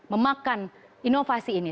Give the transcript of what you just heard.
memakan inovasi ini